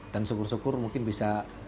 dan syukur syukur mungkin bisa